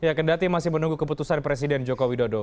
ya kendati masih menunggu keputusan presiden joko widodo